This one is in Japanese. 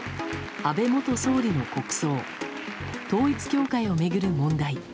安倍元総理の国葬統一教会を巡る問題。